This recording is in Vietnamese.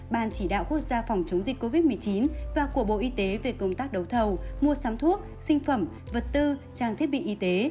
ban chỉ đạo quốc gia phòng chống dịch covid một mươi chín và của bộ y tế về công tác đấu thầu mua sắm thuốc sinh phẩm vật tư trang thiết bị y tế